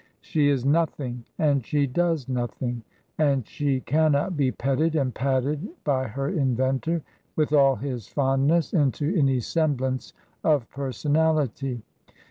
She is nothing and she does nothing ; and she cannot be petted and patted by her inventor, with all his fondness, into any semblance of personality.